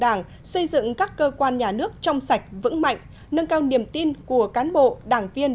đảng xây dựng các cơ quan nhà nước trong sạch vững mạnh nâng cao niềm tin của cán bộ đảng viên